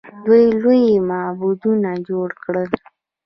دوی لوی معبدونه جوړ کړل.